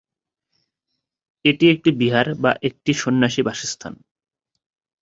এটি একটি "বিহার" বা একটি সন্ন্যাসী বাসস্থান।